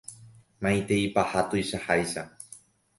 Maiteipaha tuichaháicha.